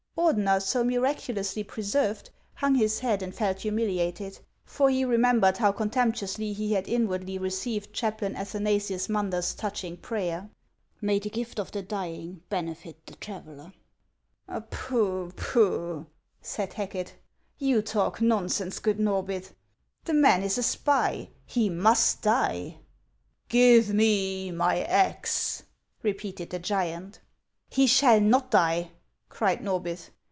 Ordener, so miraculously preserved, hung his head and felt humiliated ; for he remembered how contemptuously he had inwardly received Chaplain Athanasius Munder's touching prayer, —" May the gift of the dying benefit the traveller '"" Pooh ! pooh !" said Racket, " you talk nonsense, good Xorbith. The man is a spy ; he must die." " Give me my axe," repeated the giant. " He shall not die !" cried Xorbith.